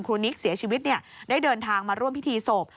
นิกเสียชีวิตได้เดินทางมาร่วมพิธีศพ